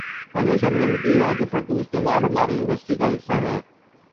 ہمیں شرمندگی ہے کہ فردوس جمال ہماری انڈسٹری کا حصہ ہیں